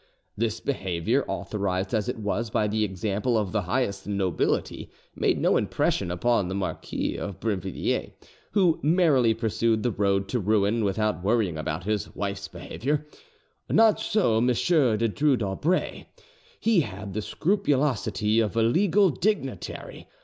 This behaviour, authorised as it was by the example of the highest nobility, made no impression upon the. Marquis of Brinvilliers, who merrily pursued the road to ruin, without worrying about his wife's behaviour. Not so M. de Dreux d'Aubray: he had the scrupulosity of a legal dignitary.